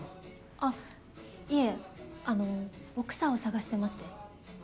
あっいえあのボクサーを捜してまして。